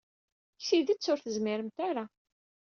Deg tidet, ur tezmiremt ara.